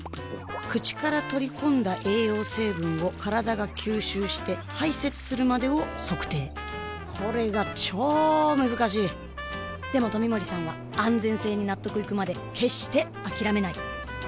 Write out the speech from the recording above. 口から取り込んだ栄養成分を体が吸収して排泄するまでを測定これがチョー難しいでも冨森さんは安全性に納得いくまで決してあきらめない！